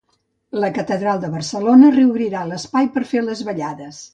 La Catedral de Barcelona reobrirà l'espai per fer les ballades